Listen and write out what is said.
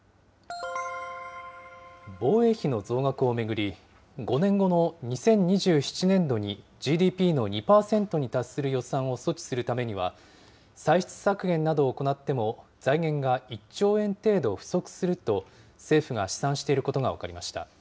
防衛費の増額を巡り、５年後の２０２７年度にＧＤＰの２％に達する予算を措置するためには、歳出削減などを行っても財源が１兆円程度不足すると、政府が試算していることが分かりました。